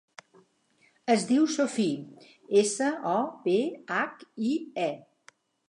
Es diu Sophie: essa, o, pe, hac, i, e.